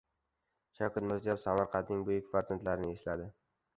Shavkat Mirziyoyev Samarqandning buyuk farzandlarini esladi